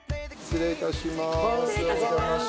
失礼いたします